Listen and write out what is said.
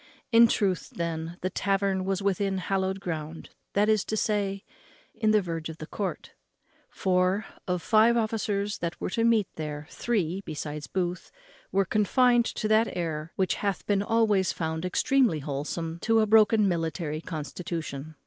In truth, then, the tavern was within hallowed ground, that is to say, in the verge of the court; for, of five officers that were to meet there, three, besides Booth, were confined to that air which hath been always found extremely wholesome to a broken military constitution.